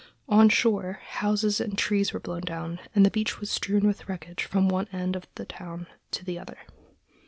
On shore, houses and trees were blown down, and the beach was strewn with wreckage from one end of the town to the other.